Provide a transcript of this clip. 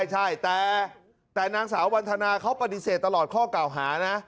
ใช่แต่นางสาววันธนาเขาปฏิเสธตลอดข้อเก่าหานะ